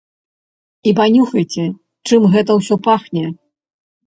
І панюхайце, чым гэта ўсё пахне.